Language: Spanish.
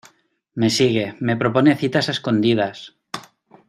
me sigue, me propone citas a escondidas.